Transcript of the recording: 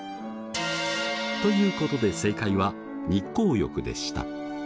ということで正解は日光浴でした。